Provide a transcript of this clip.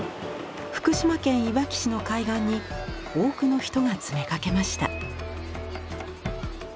福島県いわき市の海岸に多くの人が詰めかけました。